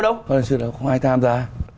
không có luật sư nào không ai tham gia